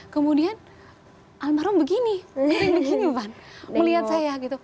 kemudian almarhum begini melihat saya